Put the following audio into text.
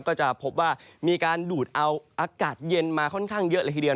ก็จะพบว่ามีการดูดเอาอากาศเย็นมาค่อนข้างเยอะเลยทีเดียว